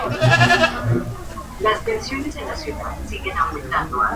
Es uno de los edificios más emblemáticos de la localidad.